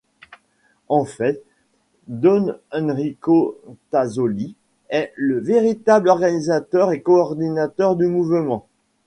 En fait, Don Enrico Tazzoli est le véritable organisateur et coordinateur du mouvement.